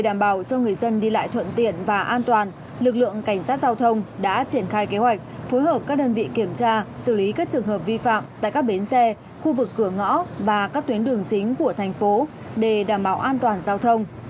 để đảm bảo cho người dân đi lại thuận tiện và an toàn lực lượng cảnh sát giao thông đã triển khai kế hoạch phối hợp các đơn vị kiểm tra xử lý các trường hợp vi phạm tại các bến xe khu vực cửa ngõ và các tuyến đường chính của thành phố để đảm bảo an toàn giao thông